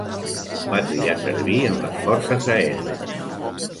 Va triar servir en les Forces Aèries.